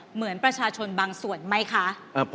เหมือนประชาชนบางส่วนไหมคะ